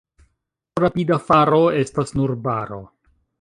Tro rapida faro estas nur baro.